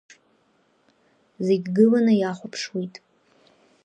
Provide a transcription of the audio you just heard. Зегь гыланы ихәаԥшуеит.